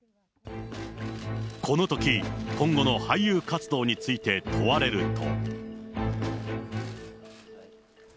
このとき、今後の俳優活動について問われると。